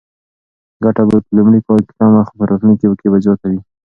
ګټه به په لومړي کال کې کمه خو په راتلونکي کې به زیاته وي.